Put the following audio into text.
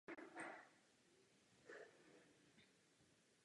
Těším se na další spolupráci s vámi v těchto otázkách.